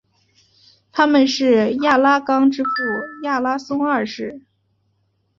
他们是亚拉冈之父亚拉松二世。